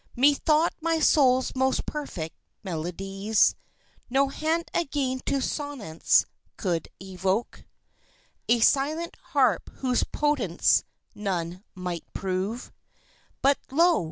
Methought my soul's most perfect melodies No hand again to sonance could evoke A silent harp whose potence none might prove But, lo!